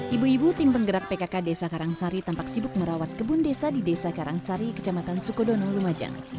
ibu ibu tim penggerak pkk desa karangsari tampak sibuk merawat kebun desa di desa karangsari kecamatan sukodono lumajang